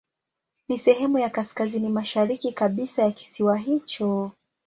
Ni sehemu ya kaskazini mashariki kabisa ya kisiwa hicho.